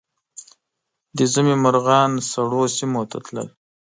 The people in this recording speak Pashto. د ژمي مرغان سړو سیمو ته تلل